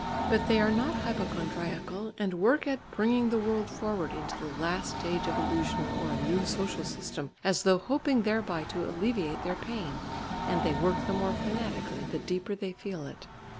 But they are not hypochondriacal, and work at bringing the world forward into the last stage of illusion or a new social system, as though hoping thereby to alleviate their pain, and they work the more fanatically, the deeper they feel it.